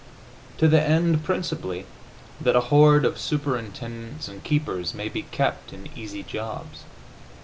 To the end, principally, that a horde of superintendents and keepers may be kept in easy jobs.